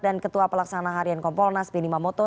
dan ketua pelaksanaan harian kompolnas bini mamoto